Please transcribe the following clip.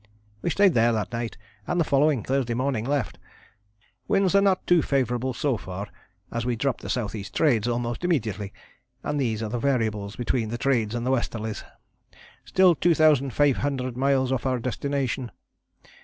We stayed there that night, and the following, Thursday, morning left. Winds are not too favourable so far, as we dropped the S.E. Trades almost immediately, and these are the variables between the Trades and the Westerlies. Still 2500 miles off our destination.